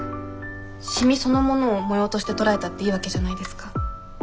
染みそのものを模様として捉えたっていいわけじゃないですか。